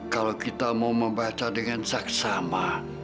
kalau kita mau membaca dengan saksama